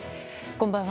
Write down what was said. こんばんは。